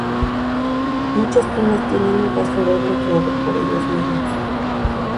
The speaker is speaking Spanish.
Muchas tunas tienen un pasodoble creado por ellos mismos.